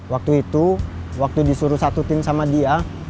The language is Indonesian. waktu itu waktu disuruh satu tim sama dia